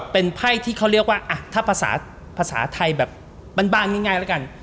เป็นไพ่ที่เขาเรียกว่าถ้าภาษาภาษาไทยแบบบ้านง่ายแล้วกัน